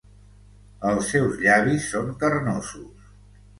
Els seus llavis són carnosos.